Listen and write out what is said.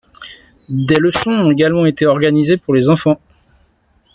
Des leçons ont également été organisées pour les enfants.